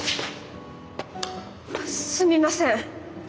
すみません。